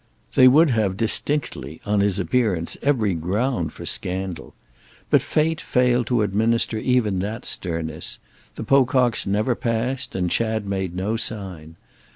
They would have distinctly, on his appearance, every ground for scandal. But fate failed to administer even that sternness; the Pococks never passed and Chad made no sign.